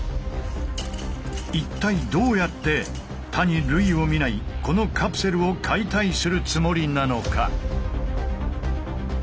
一体どうやって他に類を見ないこのカプセルを解体するつもりなのか？